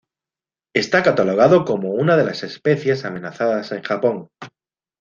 Está catalogado como una de las especies amenazadas en Japón.